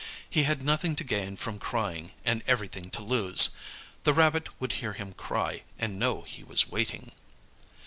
He had nothing to gain from crying, and everything to lose; the rabbit would hear him cry and know he was waiting.